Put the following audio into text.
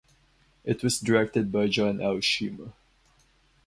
It was directed by John Aoshima.